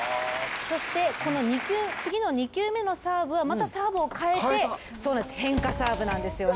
そして、次の２球目のサーブはまたサーブを変えて変化サーブなんですよね。